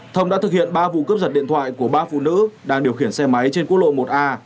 thông đã thực hiện ba vụ cướp giật điện thoại của ba phụ nữ đang điều khiển xe máy trên quốc lộ một a